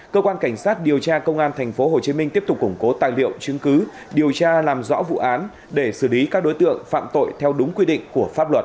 cơ quan cảnh sát điều tra công an tp hcm tiếp tục củng cố tài liệu chứng cứ điều tra làm rõ vụ án để xử lý các đối tượng phạm tội theo đúng quy định của pháp luật